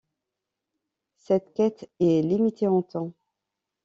Cette quête est limitée en temps.